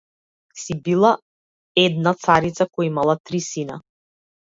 Си била една царица која имала три сина.